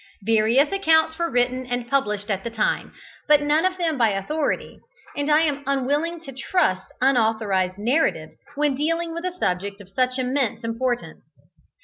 Various accounts were written and published at the time, but none of them by authority, and I am unwilling to trust to unauthorized narratives when dealing with a subject of such immense importance.